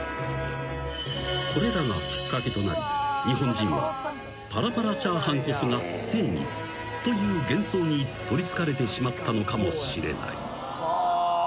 ［これらがきっかけとなり日本人はパラパラチャーハンこそが正義という幻想に取りつかれてしまったのかもしれない］